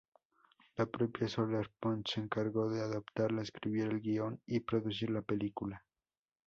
La propia Soler-Pont se encargó de adaptarla, escribir el guion y producir la película.